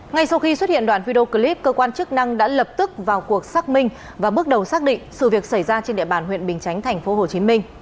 ngay sau khi xuất hiện đoạn video clip cơ quan chức năng đã lập tức vào cuộc xác minh và bước đầu xác định sự việc xảy ra trên địa bàn huyện bình chánh tp hcm